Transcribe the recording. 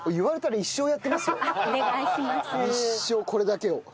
一生これだけを。